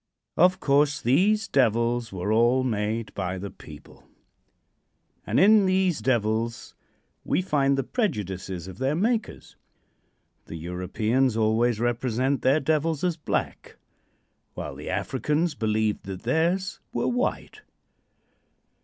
Of course these devils were all made by the people, and in these devils we find the prejudices of their makers. The Europeans always represent their devils as black, while the Africans believed that theirs were white.